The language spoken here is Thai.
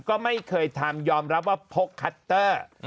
ก็ไม่เคยทำยอมรับว่าพกคัตเตอร์